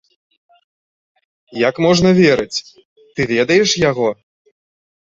Як можна верыць, ты ведаеш яго?